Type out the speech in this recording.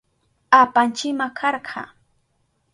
Apanchima karka.